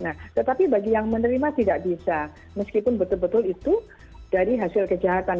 nah tetapi bagi yang menerima tidak bisa meskipun betul betul itu dari hasil kejahatan